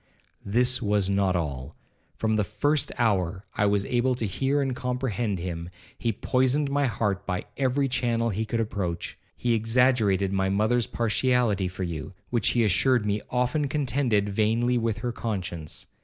This was not all. From the first hour I was able to hear and comprehend him, he poisoned my heart by every channel he could approach. He exaggerated my mother's partiality for you, which he assured me often contended vainly with her conscience.